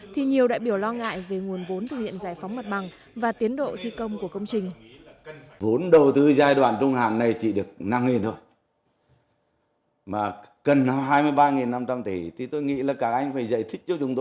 thì nhiều đại biểu lo ngại về nguồn vốn thực hiện giải phóng mặt bằng và tiến độ thi công của công trình